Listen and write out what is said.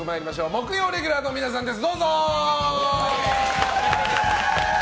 木曜日レギュラーの皆さんです。